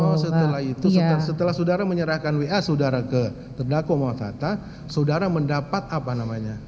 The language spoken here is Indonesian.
bahwa setelah itu setelah saudara menyerahkan wa saudara ke terdakwa muhammad hatta saudara mendapat apa namanya